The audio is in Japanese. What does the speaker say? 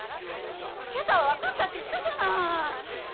今朝はわかったって言ったじゃない。